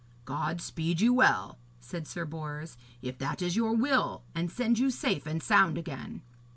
'God speed you well,' said Sir Bors, 'if that is your will, and send you safe and sound again.'